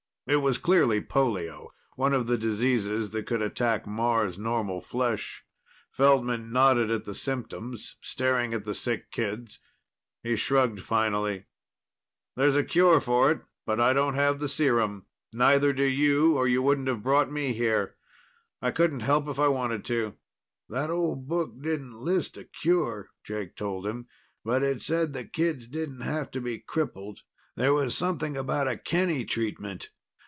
It was clearly polio one of the diseases that could attack Mars normal flesh. Feldman nodded at the symptoms, staring at the sick kids. He shrugged, finally. "There's a cure for it, but I don't have the serum. Neither do you, or you wouldn't have brought me here. I couldn't help if I wanted to." "That old book didn't list a cure," Jake told him. "But it said the kids didn't have to be crippled. There was something about a Kenny treatment.